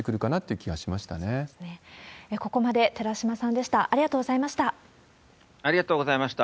ここまで寺嶋さんでした。